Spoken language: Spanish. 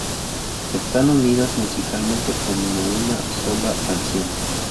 Están unidas musicalmente como una sola canción.